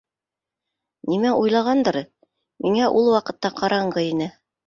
Нимә уйлағандыр, миңә ул ваҡытта ҡараңғы ине.